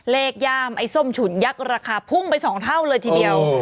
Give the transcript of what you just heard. ย่ามไอ้ส้มฉุนยักษ์ราคาพุ่งไป๒เท่าเลยทีเดียว